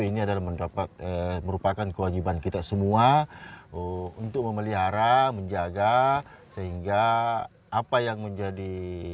ini adalah mendapat merupakan kewajiban kita semua untuk memelihara menjaga sehingga apa yang menjadi